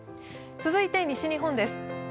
続いて西日本です。